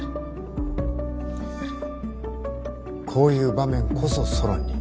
こういう場面こそソロンに。